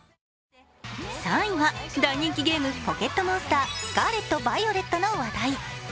３位は大人気ゲーム「ポケットモンスタースカーレット・バイオレット」の話題。